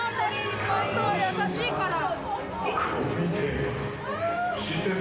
本当は優しいから。